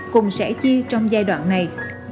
cùng sẻ chia trong giai đoạn này